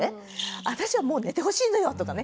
「私はもう寝てほしいのよ」とかね